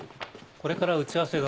これから打ち合わせが。